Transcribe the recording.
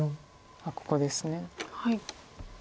ここです。